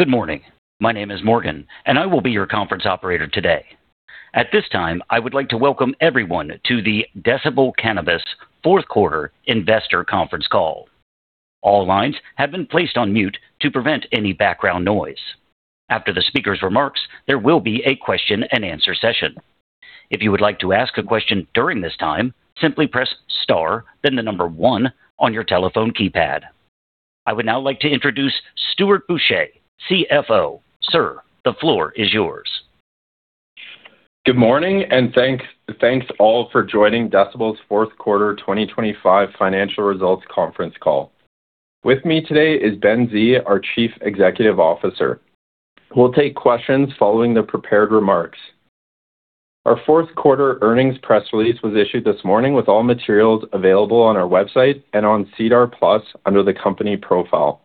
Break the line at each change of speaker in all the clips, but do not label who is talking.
Good morning. My name is Morgan, and I will be your conference operator today. At this time, I would like to welcome everyone to the Decibel Cannabis fourth quarter investor conference call. All lines have been placed on mute to prevent any background noise. After the speaker's remarks, there will be a question and answer session. If you would like to ask a question during this time, simply press star, then the number one on your telephone keypad. I would now like to introduce Stuart Boucher, CFO. Sir, the floor is yours.
Good morning, and thanks all for joining Decibel's fourth quarter 2025 financial results conference call. With me today is Ben Sze, our Chief Executive Officer, who will take questions following the prepared remarks. Our fourth quarter earnings press release was issued this morning with all materials available on our website and on SEDAR+ under the company profile.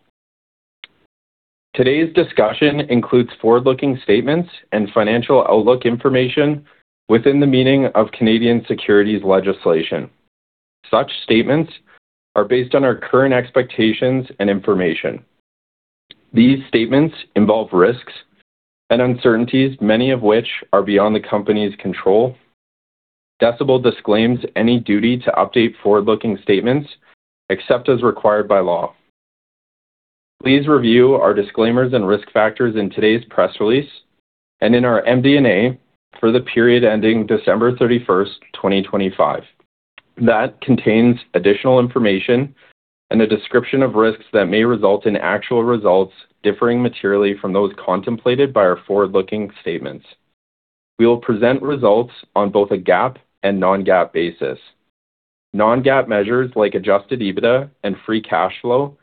Today's discussion includes forward-looking statements and financial outlook information within the meaning of Canadian securities legislation. Such statements are based on our current expectations and information. These statements involve risks and uncertainties, many of which are beyond the company's control. Decibel disclaims any duty to update forward-looking statements except as required by law. Please review our disclaimers and risk factors in today's press release and in our MD&A for the period ending December 31st, 2025. That contains additional information and a description of risks that may result in actual results differing materially from those contemplated by our forward-looking statements. We will present results on both a GAAP and non-GAAP basis. Non-GAAP measures like adjusted EBITDA and free cash flow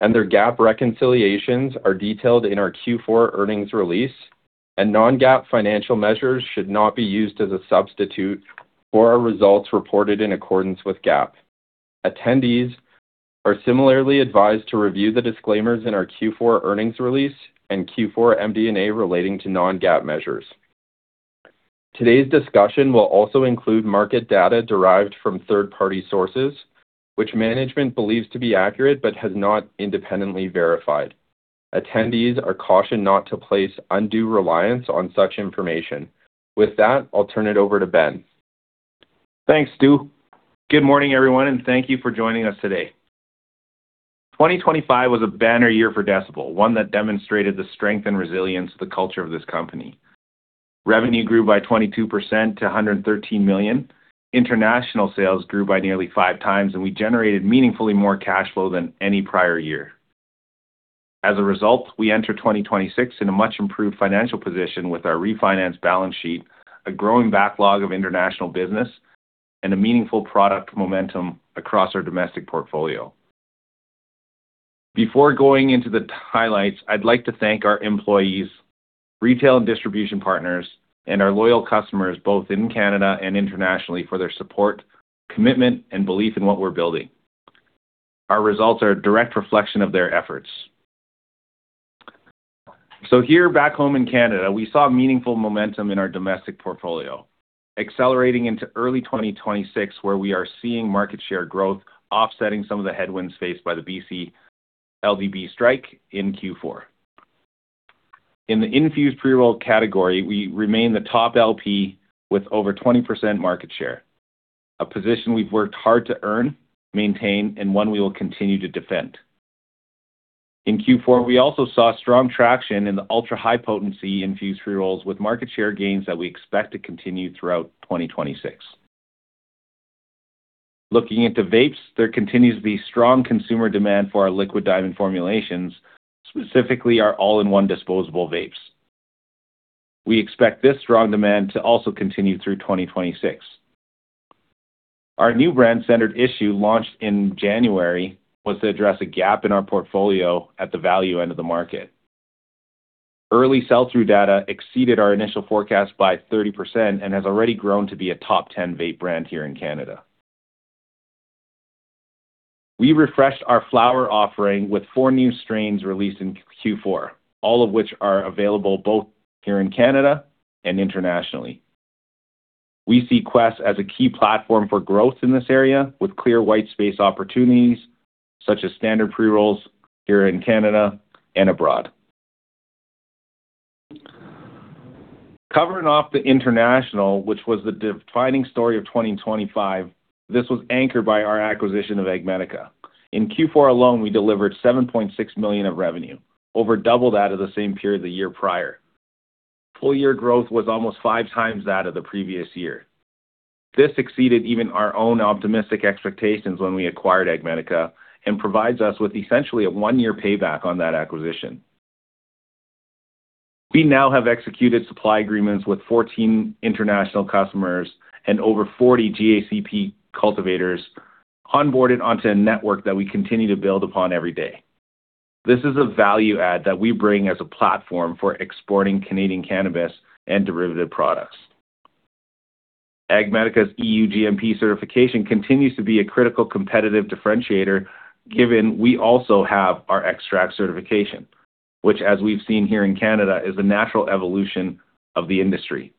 and their GAAP reconciliations are detailed in our Q4 earnings release, and non-GAAP financial measures should not be used as a substitute for our results reported in accordance with GAAP. Attendees are similarly advised to review the disclaimers in our Q4 earnings release and Q4 MD&A relating to non-GAAP measures. Today's discussion will also include market data derived from third-party sources, which management believes to be accurate but has not independently verified. Attendees are cautioned not to place undue reliance on such information. With that, I'll turn it over to Ben.
Thanks, Stu. Good morning, everyone, and thank you for joining us today. 2025 was a banner year for Decibel, one that demonstrated the strength and resilience of the culture of this company. Revenue grew by 22% to 113 million. International sales grew by nearly 5x, and we generated meaningfully more cash flow than any prior year. As a result, we enter 2026 in a much-improved financial position with our refinanced balance sheet, a growing backlog of international business, and a meaningful product momentum across our domestic portfolio. Before going into the highlights, I'd like to thank our employees, retail and distribution partners, and our loyal customers both in Canada and internationally for their support, commitment, and belief in what we're building. Our results are a direct reflection of their efforts. Here back home in Canada, we saw meaningful momentum in our domestic portfolio, accelerating into early 2026, where we are seeing market share growth offsetting some of the headwinds faced by the BC LDB strike in Q4. In the infused pre-roll category, we remain the top LP with over 20% market share, a position we've worked hard to earn, maintain, and one we will continue to defend. In Q4, we also saw strong traction in the ultra-high potency infused pre-rolls with market share gains that we expect to continue throughout 2026. Looking into vapes, there continues the strong consumer demand for our liquid diamond formulations, specifically our all-in-one disposable vapes. We expect this strong demand to also continue through 2026. Our new brand Standard Issue, launched in January, was to address a gap in our portfolio at the value end of the market. Early sell-through data exceeded our initial forecast by 30% and has already grown to be a top 10 vape brand here in Canada. We refreshed our flower offering with four new strains released in Q4, all of which are available both here in Canada and internationally. We see Qwest as a key platform for growth in this area, with clear white space opportunities, such as standard pre-rolls here in Canada and abroad. Covering off the international, which was the defining story of 2025, this was anchored by our acquisition of AgMedica. In Q4 alone, we delivered 7.6 million of revenue, over double that of the same period the year prior. Full-year growth was almost five times that of the previous year. This exceeded even our own optimistic expectations when we acquired AgMedica and provides us with essentially a one-year payback on that acquisition. We now have executed supply agreements with 14 international customers and over 40 GACP cultivators onboarded onto a network that we continue to build upon every day. This is a value add that we bring as a platform for exporting Canadian cannabis and derivative products. AgMedica's EU GMP certification continues to be a critical competitive differentiator given we also have our extract certification, which as we've seen here in Canada, is a natural evolution of the industry.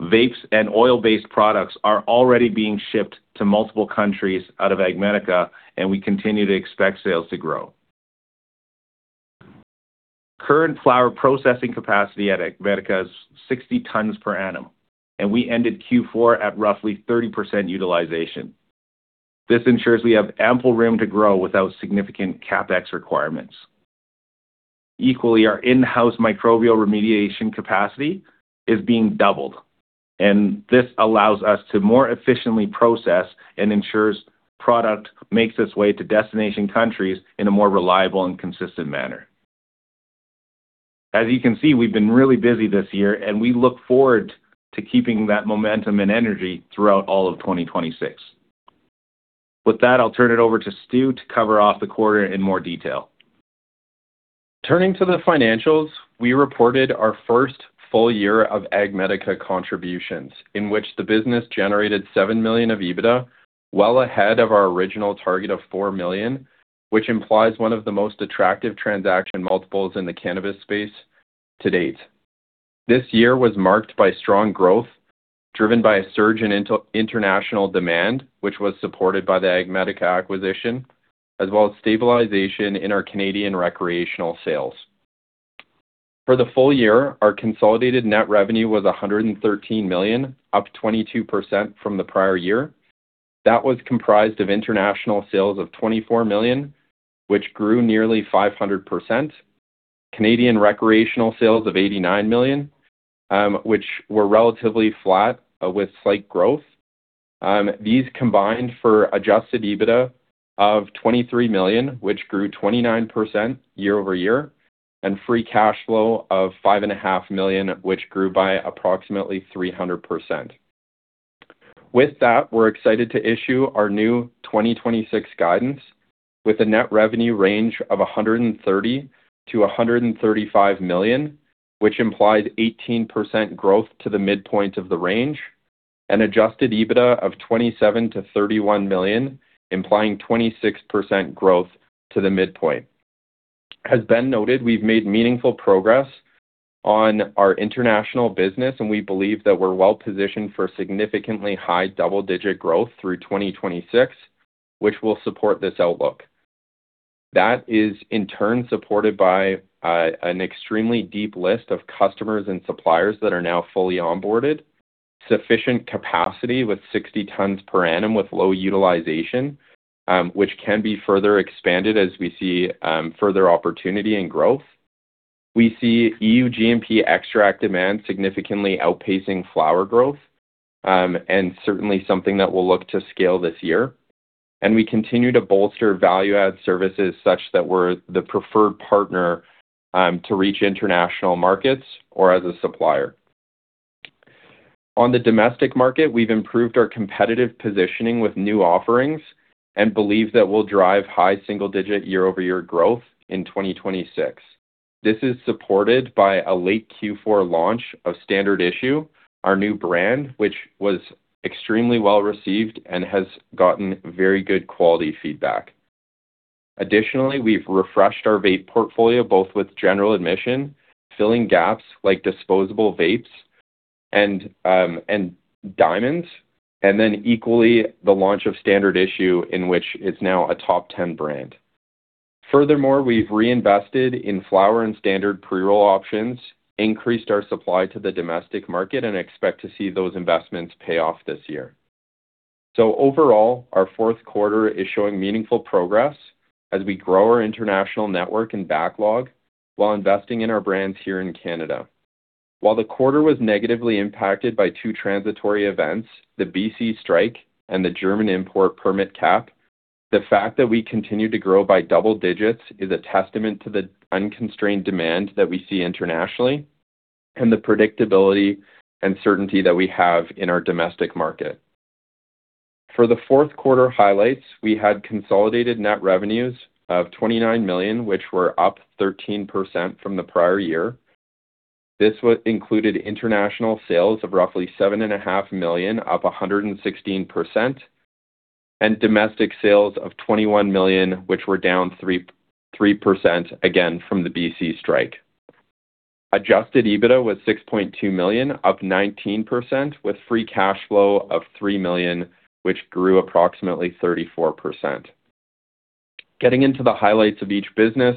Vapes and oil-based products are already being shipped to multiple countries out of AgMedica, and we continue to expect sales to grow. Current flower processing capacity at AgMedica is 60 tons per annum, and we ended Q4 at roughly 30% utilization. This ensures we have ample room to grow without significant CapEx requirements. Equally, our in-house microbial remediation capacity is being doubled, and this allows us to more efficiently process and ensures product makes its way to destination countries in a more reliable and consistent manner. As you can see, we've been really busy this year, and we look forward to keeping that momentum and energy throughout all of 2026. With that, I'll turn it over to Stu to cover off the quarter in more detail.
Turning to the financials, we reported our first full year of AgMedica contributions, in which the business generated 7 million of EBITDA, well ahead of our original target of 4 million, which implies one of the most attractive transaction multiples in the cannabis space to date. This year was marked by strong growth, driven by a surge in international demand, which was supported by the AgMedica acquisition, as well as stabilization in our Canadian recreational sales. For the full year, our consolidated net revenue was 113 million, up 22% from the prior year. That was comprised of international sales of 24 million, which grew nearly 500%. Canadian recreational sales of 89 million, which were relatively flat with slight growth. These combined for adjusted EBITDA of 23 million, which grew 29% year-over-year, and free cash flow of 5.5 million, which grew by approximately 300%. With that, we're excited to issue our new 2026 guidance with a net revenue range of 130 million-135 million, which implied 18% growth to the midpoint of the range, and adjusted EBITDA of 27 million-31 million, implying 26% growth to the midpoint. As Ben noted, we've made meaningful progress on our international business, and we believe that we're well-positioned for significantly high double-digit growth through 2026, which will support this outlook. That is, in turn, supported by an extremely deep list of customers and suppliers that are now fully onboarded, sufficient capacity with 60 tons per annum with low utilization, which can be further expanded as we see further opportunity and growth. We see EU GMP extract demand significantly outpacing flower growth, and certainly something that we'll look to scale this year. We continue to bolster value-add services such that we're the preferred partner to reach international markets or as a supplier. On the domestic market, we've improved our competitive positioning with new offerings and believe that we'll drive high single-digit year-over-year growth in 2026. This is supported by a late Q4 launch of Standard Issue, our new brand, which was extremely well-received and has gotten very good quality feedback. Additionally, we've refreshed our vape portfolio, both with General Admission, filling gaps like disposable vapes, and diamonds, and then equally the launch of Standard Issue, in which it's now a top 10 brand. Furthermore, we've reinvested in flower and standard pre-roll options, increased our supply to the domestic market, and expect to see those investments pay off this year. Overall, our fourth quarter is showing meaningful progress as we grow our international network and backlog while investing in our brands here in Canada. While the quarter was negatively impacted by two transitory events, the BC strike and the German import permit cap, the fact that we continue to grow by double digits is a testament to the unconstrained demand that we see internationally and the predictability and certainty that we have in our domestic market. For the fourth quarter highlights, we had consolidated net revenues of 29 million, which were up 13% from the prior year. This included international sales of roughly 7.5 million, up 116%, and domestic sales of 21 million, which were down 3%, again from the BC strike. Adjusted EBITDA was 6.2 million, up 19%, with free cash flow of 3 million, which grew approximately 34%. Getting into the highlights of each business,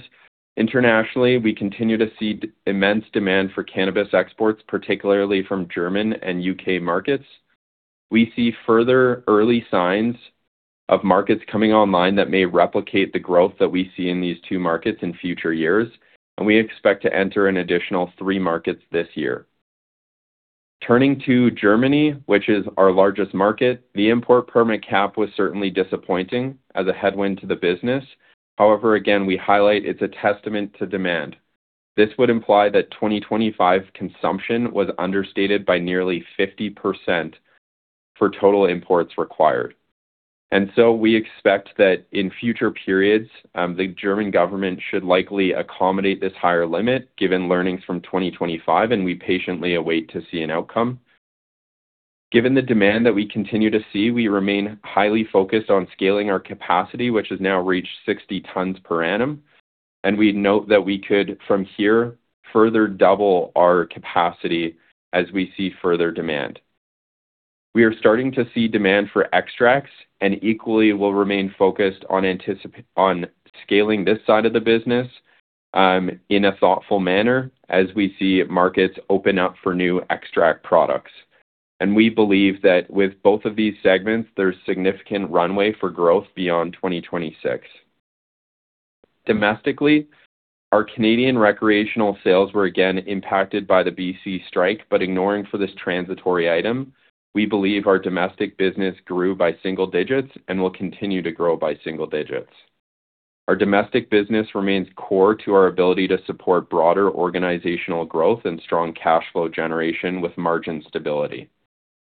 internationally, we continue to see immense demand for cannabis exports, particularly from German and U.K. markets. We see further early signs of markets coming online that may replicate the growth that we see in these two markets in future years, and we expect to enter an additional three markets this year. Turning to Germany, which is our largest market, the import permit cap was certainly disappointing as a headwind to the business. However, again, we highlight it's a testament to demand. This would imply that 2025 consumption was understated by nearly 50% for total imports required. We expect that in future periods, the German government should likely accommodate this higher limit given learnings from 2025, and we patiently await to see an outcome. Given the demand that we continue to see, we remain highly focused on scaling our capacity, which has now reached 60 tons per annum. We note that we could, from here, further double our capacity as we see further demand. We are starting to see demand for extracts and equally will remain focused on scaling this side of the business in a thoughtful manner as we see markets open up for new extract products. We believe that with both of these segments, there's significant runway for growth beyond 2026. Domestically, our Canadian recreational sales were again impacted by the B.C. strike. Ignoring for this transitory item, we believe our domestic business grew by single-digits and will continue to grow by single-digits. Our domestic business remains core to our ability to support broader organizational growth and strong cash flow generation with margin stability.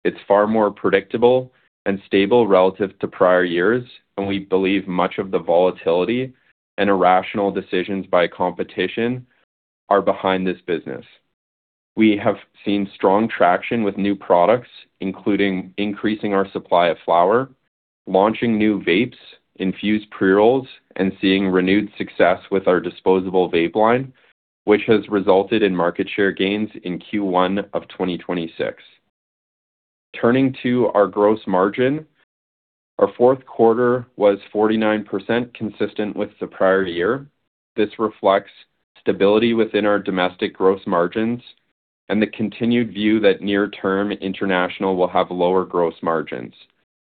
It's far more predictable and stable relative to prior years, and we believe much of the volatility and irrational decisions by competition are behind this business. We have seen strong traction with new products, including increasing our supply of flower, launching new vapes, infused pre-rolls, and seeing renewed success with our disposable vape line, which has resulted in market share gains in Q1 of 2026. Turning to our gross margin, our fourth quarter was 49%, consistent with the prior year. This reflects stability within our domestic gross margins and the continued view that near-term international will have lower gross margins.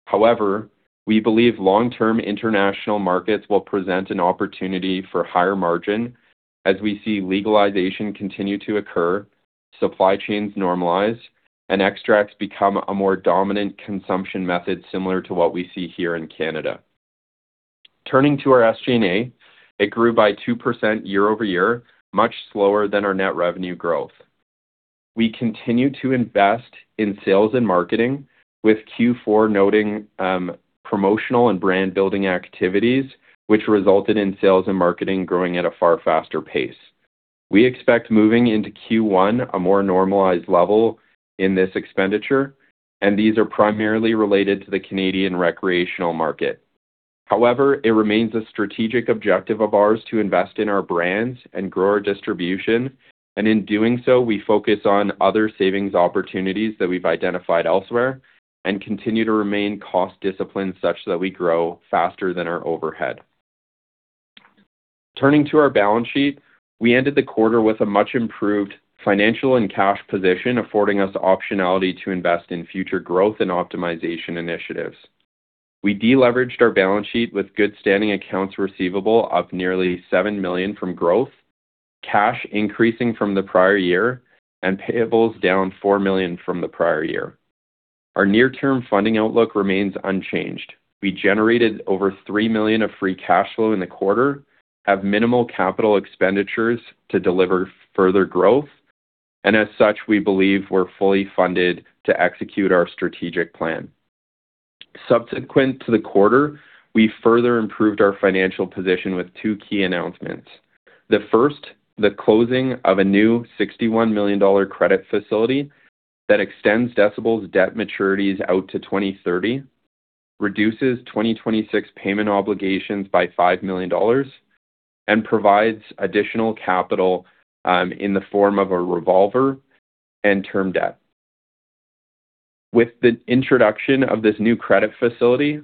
However, we believe long-term international markets will present an opportunity for higher margin as we see legalization continue to occur, supply chains normalize, and extracts become a more dominant consumption method, similar to what we see here in Canada. Turning to our SG&A, it grew by 2% year-over-year, much slower than our net revenue growth. We continue to invest in sales and marketing, with Q4 noting promotional and brand-building activities, which resulted in sales and marketing growing at a far faster pace. We expect moving into Q1 a more normalized level in this expenditure, and these are primarily related to the Canadian recreational market. However, it remains a strategic objective of ours to invest in our brands and grow our distribution, and in doing so, we focus on other savings opportunities that we've identified elsewhere and continue to remain cost-disciplined such that we grow faster than our overhead. Turning to our balance sheet, we ended the quarter with a much-improved financial and cash position, affording us the optionality to invest in future growth and optimization initiatives. We de-leveraged our balance sheet with good-standing accounts receivable up nearly 7 million from growth, cash increasing from the prior year, and payables down 4 million from the prior year. Our near-term funding outlook remains unchanged. We generated over 3 million of free cash flow in the quarter, have minimal capital expenditures to deliver further growth, and as such, we believe we're fully funded to execute our strategic plan. Subsequent to the quarter, we further improved our financial position with two key announcements. The first, the closing of a new 61 million dollar credit facility that extends Decibel's debt maturities out to 2030, reduces 2026 payment obligations by 5 million dollars, and provides additional capital in the form of a revolver and term debt. With the introduction of this new credit facility,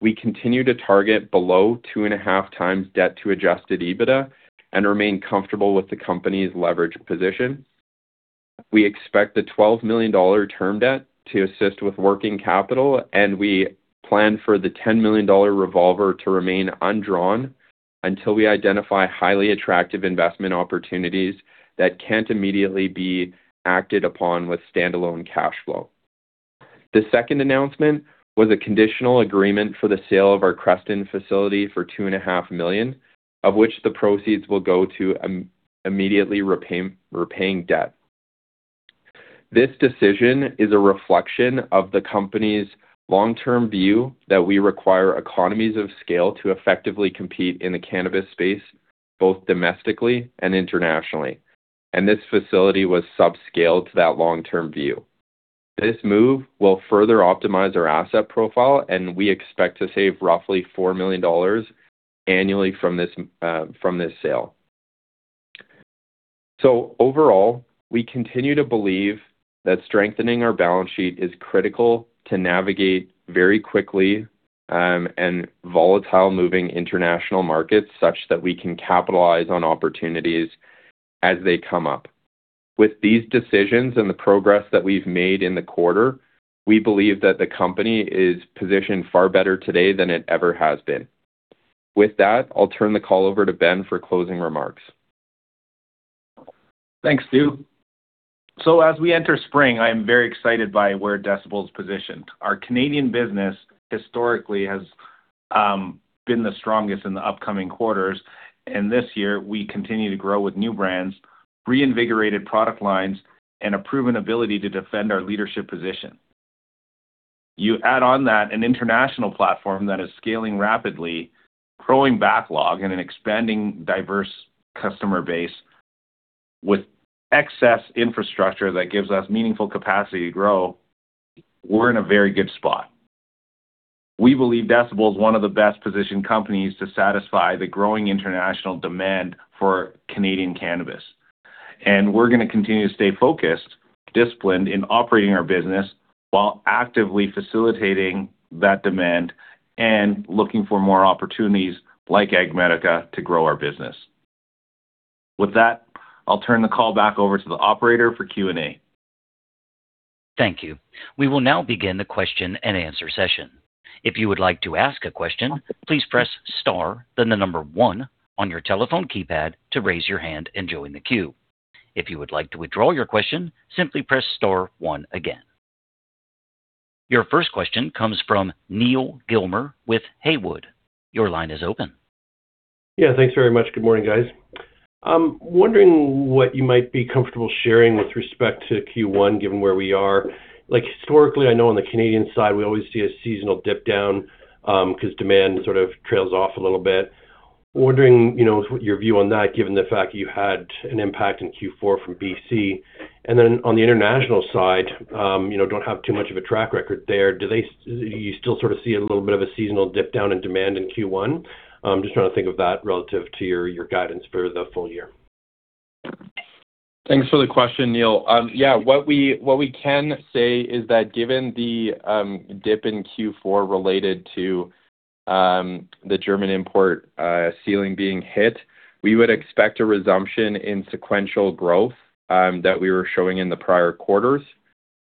we continue to target below 2.5x debt to adjusted EBITDA and remain comfortable with the company's leverage position. We expect the 12 million dollar term debt to assist with working capital, and we plan for the 10 million dollar revolver to remain undrawn until we identify highly attractive investment opportunities that can't immediately be acted upon with standalone cash flow. The second announcement was a conditional agreement for the sale of our Creston facility for 2.5 million, of which the proceeds will go to immediately repaying debt. This decision is a reflection of the company's long-term view that we require economies of scale to effectively compete in the cannabis space, both domestically and internationally, and this facility was subscale to that long-term view. This move will further optimize our asset profile, and we expect to save roughly 4 million dollars annually from this sale. Overall, we continue to believe that strengthening our balance sheet is critical to navigate very quickly and volatile moving international markets such that we can capitalize on opportunities as they come up. With these decisions and the progress that we've made in the quarter, we believe that the company is positioned far better today than it ever has been. With that, I'll turn the call over to Ben for closing remarks.
Thanks, Stu. As we enter spring, I am very excited by where Decibel is positioned. Our Canadian business historically has been the strongest in the upcoming quarters, and this year we continue to grow with new brands, reinvigorated product lines, and a proven ability to defend our leadership position. You add on that an international platform that is scaling rapidly, growing backlog, and an expanding diverse customer base. With excess infrastructure that gives us meaningful capacity to grow, we're in a very good spot. We believe Decibel is one of the best-positioned companies to satisfy the growing international demand for Canadian cannabis. We're going to continue to stay focused, disciplined in operating our business while actively facilitating that demand and looking for more opportunities like AgMedica to grow our business. With that, I'll turn the call back over to the operator for Q&A.
Thank you. We will now begin the question and answer session. If you would like to ask a question, please press star then the number one on your telephone keypad to raise your hand and join the queue. If you would like to withdraw your question, simply press star one again. Your first question comes from Neal Gilmer with Haywood. Your line is open.
Yeah, thanks very much. Good morning, guys. I'm wondering what you might be comfortable sharing with respect to Q1, given where we are. Historically, I know on the Canadian side, we always see a seasonal dip down, because demand sort of trails off a little bit. Wondering your view on that, given the fact that you had an impact in Q4 from BC. On the international side, you don't have too much of a track record there. Do you still sort of see a little bit of a seasonal dip down in demand in Q1? I'm just trying to think of that relative to your guidance for the full year.
Thanks for the question, Neal. Yeah, what we can say is that given the dip in Q4 related to the German import ceiling being hit, we would expect a resumption in sequential growth that we were showing in the prior quarters.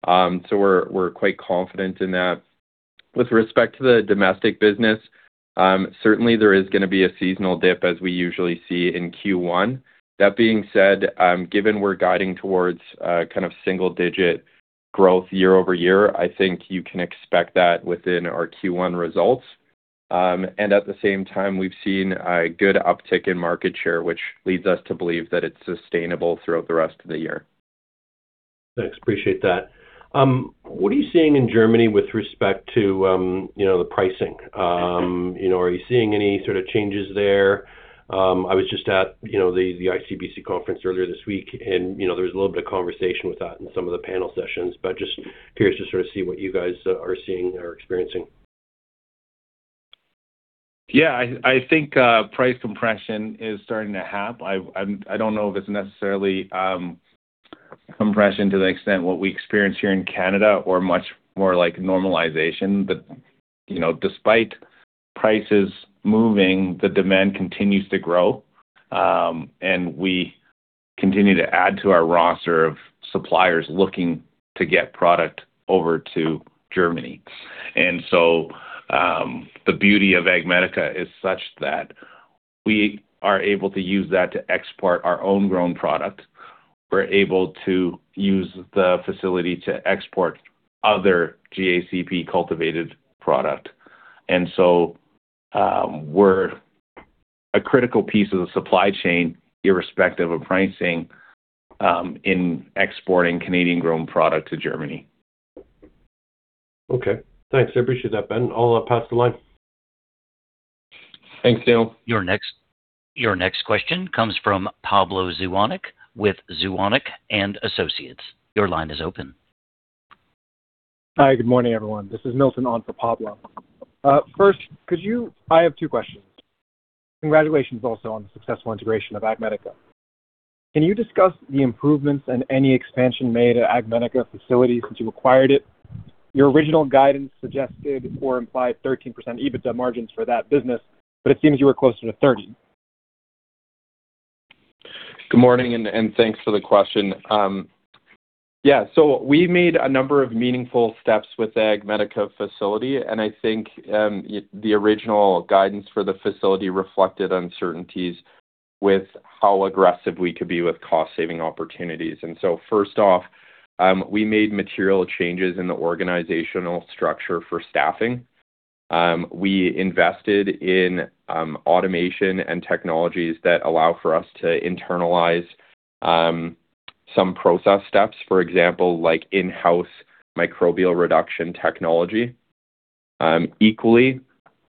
We're quite confident in that. With respect to the domestic business, certainly there is going to be a seasonal dip as we usually see in Q1. That being said, given we're guiding towards kind of single-digit growth year-over-year, I think you can expect that within our Q1 results. At the same time, we've seen a good uptick in market share, which leads us to believe that it's sustainable throughout the rest of the year.
Thanks. Appreciate that. What are you seeing in Germany with respect to the pricing? Are you seeing any sort of changes there? I was just at the ICBC conference earlier this week, and there was a little bit of conversation with that in some of the panel sessions, but just curious to sort of see what you guys are seeing or experiencing.
Yeah, I think price compression is starting to happen. I don't know if it's necessarily compression to the extent what we experience here in Canada or much more like normalization. Despite prices moving, the demand continues to grow, and we continue to add to our roster of suppliers looking to get product over to Germany. The beauty of AgMedica is such that we are able to use that to export our own grown product. We're able to use the facility to export other GACP-cultivated product. We're a critical piece of the supply chain, irrespective of pricing, in exporting Canadian-grown product to Germany.
Okay. Thanks. I appreciate that, Ben. I'll pass the line.
Thanks, Neal.
Your next question comes from Pablo Zuanic with Zuanic & Associates. Your line is open.
Hi, good morning, everyone. This is Milton on for Pablo. I have two questions. Congratulations also on the successful integration of AgMedica. Can you discuss the improvements and any expansion made at AgMedica facilities since you acquired it? Your original guidance suggested or implied 13% EBITDA margins for that business, but it seems you were closer to 30%.
Good morning, and thanks for the question. Yeah. We made a number of meaningful steps with the AgMedica facility, and I think the original guidance for the facility reflected uncertainties with how aggressive we could be with cost-saving opportunities. First off, we made material changes in the organizational structure for staffing. We invested in automation and technologies that allow for us to internalize some process steps, for example, like in-house microbial reduction technology. Equally,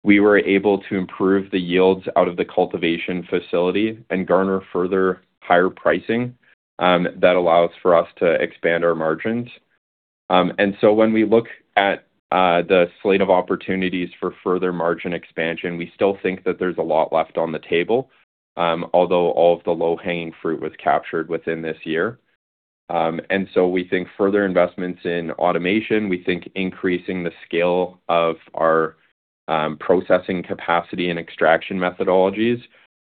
we were able to improve the yields out of the cultivation facility and garner further higher pricing that allows for us to expand our margins. When we look at the slate of opportunities for further margin expansion, we still think that there's a lot left on the table, although all of the low-hanging fruit was captured within this year. We think further investments in automation, we think increasing the scale of our processing capacity and extraction methodologies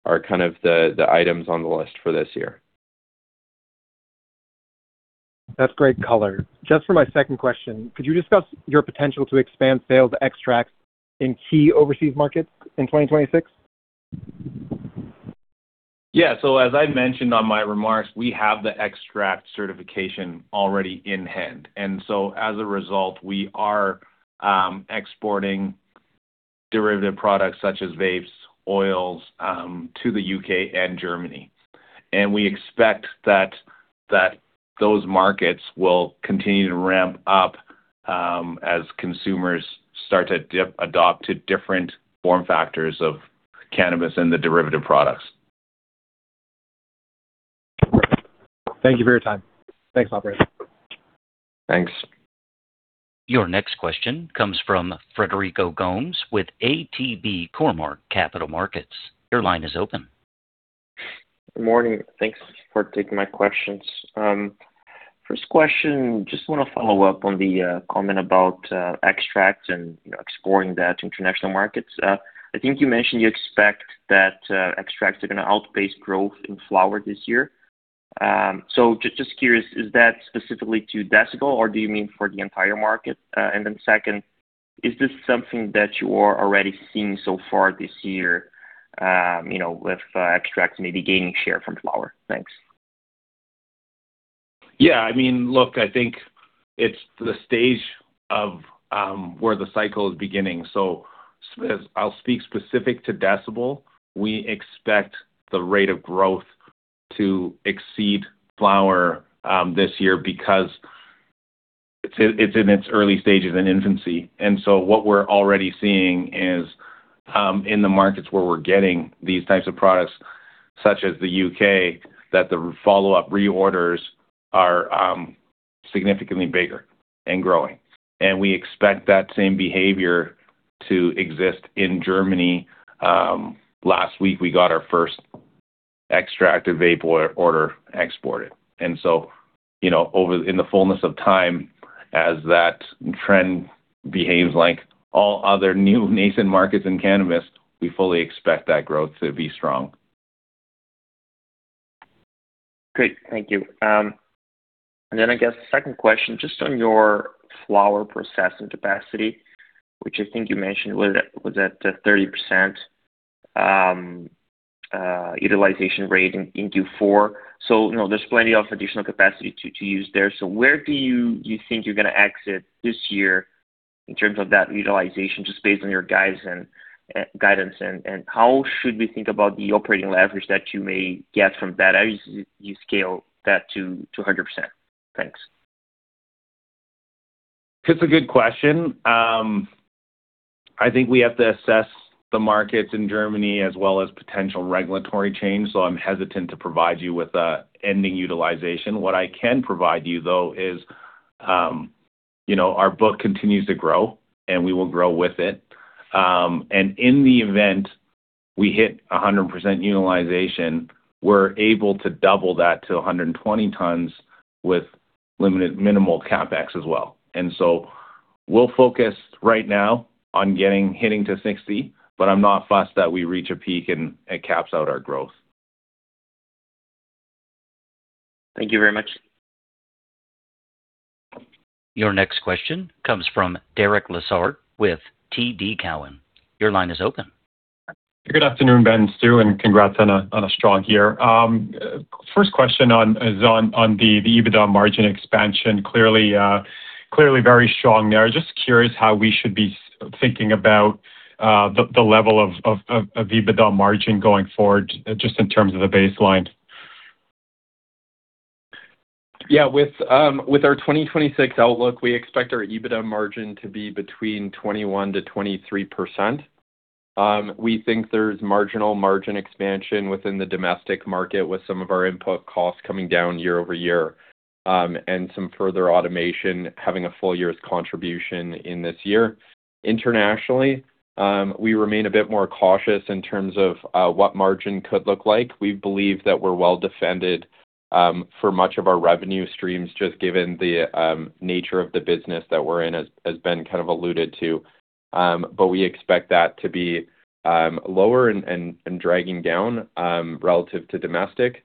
are kind of the items on the list for this year.
That's great color. Just for my second question, could you discuss your potential to expand extract sales in key overseas markets in 2026?
Yeah. As I mentioned in my remarks, we have the extract certification already in hand, and so as a result, we are exporting derivative products such as vapes, oils, to the U.K. and Germany. We expect that those markets will continue to ramp up as consumers start to adapt to different form factors of cannabis and the derivative products.
Thank you for your time. Thanks, operator.
Thanks.
Your next question comes from Frederico Gomes with ATB Cormark Capital Markets. Your line is open.
Good morning. Thanks for taking my questions. First question, just want to follow up on the comment about extracts and exploring the international markets. I think you mentioned you expect that extracts are going to outpace growth in flower this year. Just curious, is that specifically to Decibel or do you mean for the entire market? Second, is this something that you are already seeing so far this year, with extracts maybe gaining share from flower? Thanks.
Yeah, I think it's the stage where the cycle is beginning. I'll speak specifically to Decibel. We expect the rate of growth to exceed flower this year because it's in its early stages in infancy. What we're already seeing is, in the markets where we're getting these types of products, such as the U.K., that the follow-up reorders are significantly bigger and growing. We expect that same behavior to exist in Germany. Last week, we got our first extracted vapor order exported. In the fullness of time, as that trend behaves like all other new nascent markets in cannabis, we fully expect that growth to be strong.
Great. Thank you. I guess the second question, just on your flower processing capacity, which I think you mentioned was at 30% utilization rate in Q4. There's plenty of additional capacity to use there. Where do you think you're going to exit this year in terms of that utilization, just based on your guidance? How should we think about the operating leverage that you may get from that as you scale that to 100%? Thanks.
It's a good question. I think we have to assess the markets in Germany as well as potential regulatory change, so I'm hesitant to provide you with an ending utilization. What I can provide you, though, is our book continues to grow, and we will grow with it. In the event we hit 100% utilization, we're able to double that to 120 tons with minimal CapEx as well. We'll focus right now on hitting to 60, but I'm not fussed that we reach a peak and it caps out our growth.
Thank you very much.
Your next question comes from Derek Lessard with TD Cowen. Your line is open.
Good afternoon, Ben, Stu, and congrats on a strong year. First question is on the EBITDA margin expansion. Clearly very strong there. Just curious how we should be thinking about the level of EBITDA margin going forward, just in terms of the baseline.
Yeah. With our 2026 outlook, we expect our EBITDA margin to be between 21%-23%. We think there's marginal margin expansion within the domestic market with some of our input costs coming down year-over-year, and some further automation having a full year's contribution in this year. Internationally, we remain a bit more cautious in terms of what margin could look like. We believe that we're well-defended for much of our revenue streams, just given the nature of the business that we're in, as Ben kind of alluded to. We expect that to be lower and dragging down, relative to domestic.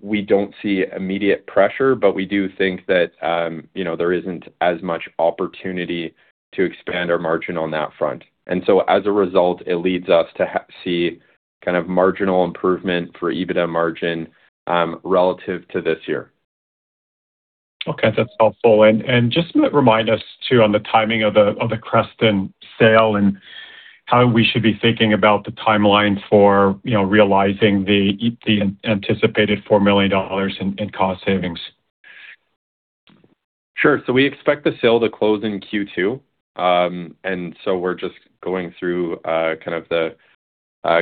We don't see immediate pressure, but we do think that there isn't as much opportunity to expand our margin on that front. As a result, it leads us to see kind of marginal improvement for EBITDA margin, relative to this year.
Okay. That's helpful. Just remind us, too, on the timing of the Creston sale and how we should be thinking about the timeline for realizing the anticipated 4 million dollars in cost savings.
Sure. We expect the sale to close in Q2. We're just going through the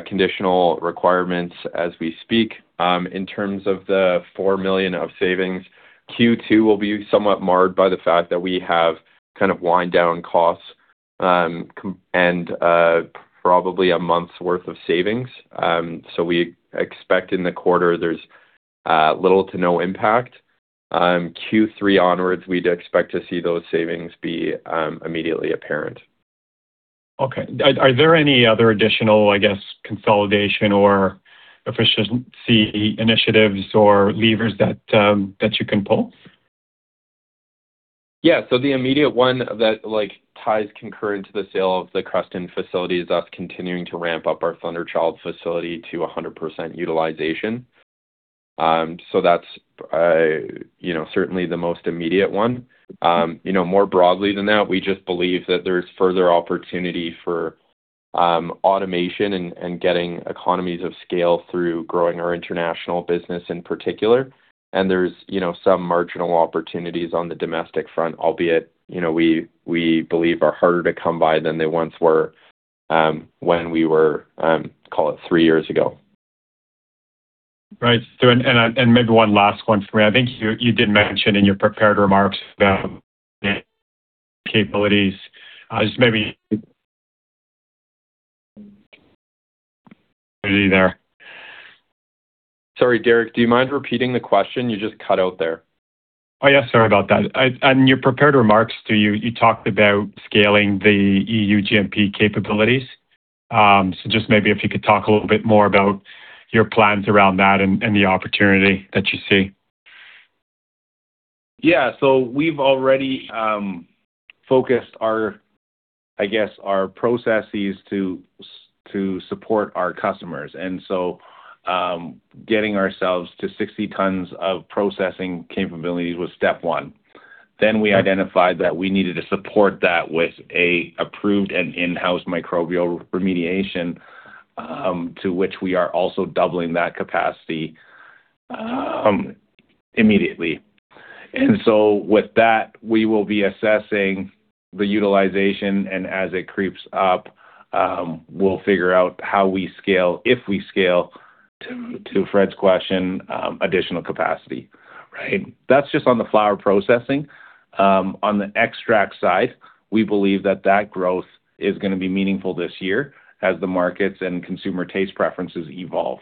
conditional requirements as we speak. In terms of the 4 million of savings, Q2 will be somewhat marred by the fact that we have kind of wind down costs and probably a month's worth of savings. We expect in the quarter there's little to no impact. Q3 onwards, we'd expect to see those savings be immediately apparent.
Okay. Are there any other additional, I guess, consolidation or efficiency initiatives or levers that you can pull?
Yeah. The immediate one that ties concurrent to the sale of the Creston facility is us continuing to ramp up our Thunderchild facility to 100% utilization. That's certainly the most immediate one. More broadly than that, we just believe that there's further opportunity for automation and getting economies of scale through growing our international business in particular. There's some marginal opportunities on the domestic front, albeit, we believe are harder to come by than they once were when we were, call it three years ago.
Right. Maybe one last one for me. I think you did mention in your prepared remarks about capabilities. Just maybe.
Sorry, Derek, do you mind repeating the question? You just cut out there.
Oh, yeah. Sorry about that. In your prepared remarks too, you talked about scaling the EU GMP capabilities. Just maybe if you could talk a little bit more about your plans around that and the opportunity that you see.
Yeah. We've already focused our, I guess, our processes to support our customers. Getting ourselves to 60 tons of processing capabilities was step one. We identified that we needed to support that with an approved and in-house microbial remediation, to which we are also doubling that capacity immediately. With that, we will be assessing the utilization, and as it creeps up, we'll figure out how we scale, if we scale, to Fred's question, additional capacity. Right. That's just on the flower processing. On the extract side, we believe that that growth is going to be meaningful this year as the markets and consumer taste preferences evolve.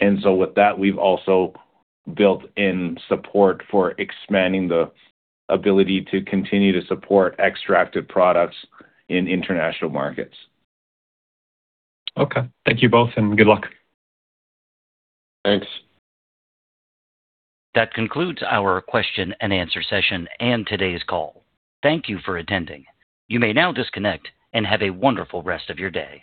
With that, we've also built in support for expanding the ability to continue to support extracted products in international markets.
Okay. Thank you both, and good luck.
Thanks.
That concludes our question and answer session and today's call. Thank you for attending. You may now disconnect and have a wonderful rest of your day.